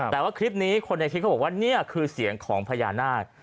แต่ว่าคลิปนี้คนในคลิปเขาบอกว่านี่คือเสียงของพญานาค